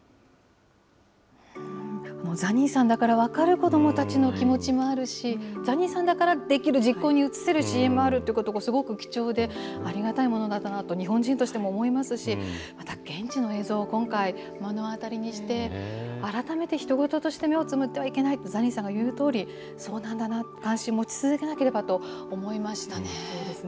ザニーさんだから分かる子どもたちの気持ちもあるし、ザニーさんだからできる実行に移せる支援もあるということがすごく貴重で、ありがたいものだなと、日本人としても思いますし、また現地の映像を今回、目の当たりにして、改めてひと事として、目をつむってはいけないと、ザニーさんが言うとおり、そうなんだな、関心を持ち続けないとなと思いましたね。